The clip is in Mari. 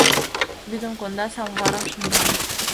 Вӱдым конда, самоварым шында.